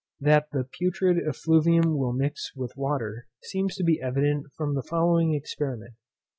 That the putrid effluvium will mix with water seems to be evident from the following experiment.